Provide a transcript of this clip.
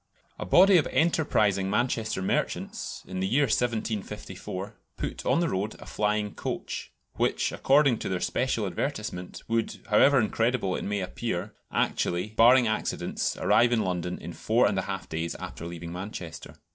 A body of enterprising Manchester merchants, in the year 1754, put on the road a "flying coach," which, according to their special advertisement, would, "however incredible it may appear, actually, barring accidents, arrive in London in four and a half days after leaving Manchester."